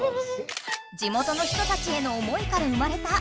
地元の人たちへの思いから生まれたオムライス。